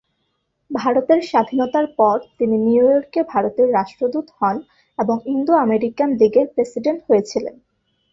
ভারতের স্বাধীনতার পর তিনি নিউ ইয়র্কে ভারতের রাষ্ট্রদূত হন এবং ইন্দো-আমেরিকান লিগের প্রেসিডেন্ট হয়েছিলেন।